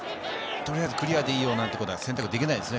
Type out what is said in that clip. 取りあえずクリアでいいよなんてことは、選択できないですね。